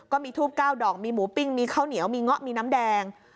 ทูบ๙ดอกมีหมูปิ้งมีข้าวเหนียวมีเงาะมีน้ำแดง